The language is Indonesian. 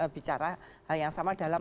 bicara yang sama dalam